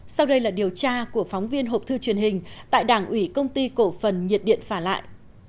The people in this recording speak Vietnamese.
sau đây là điều tra của phóng viên hộp thư truyền hình tại đảng ủy công ty cổ phần nhiệt điện phà lại